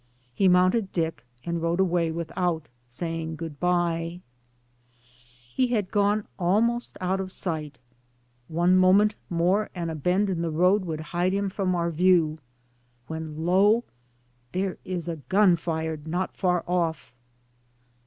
He mounted Dick and rode away without saying good bye. He had gone almost out of sight. One moment more and a bend in the road would hide him from our view. When, lo, there is a gun fired not far oflf.